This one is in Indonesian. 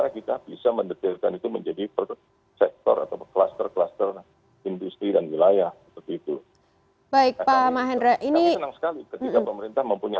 ketika itu presiden marah